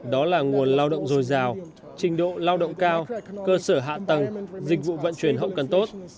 đó là nguồn lao động dồi dào trình độ lao động cao cơ sở hạ tầng dịch vụ vận chuyển hậu cần tốt